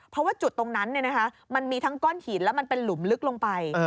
เพราะว่าจุดตรงนั้นมันมีทั้งก้อนหินแล้วมันเป็นหลุมลึกลงไป